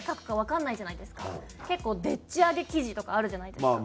結構でっち上げ記事とかあるじゃないですか。